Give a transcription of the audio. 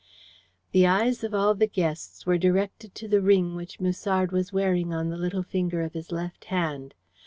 The eyes of all the guests were directed to the ring which Musard was wearing on the little finger of his left hand.